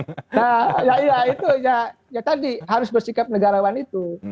nah ya itu ya tadi harus bersikap negarawan itu